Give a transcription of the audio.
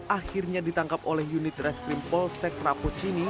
akhirnya ditangkap oleh unit reskrim polsek rapuchini